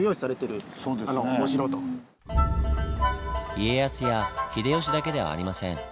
家康や秀吉だけではありません。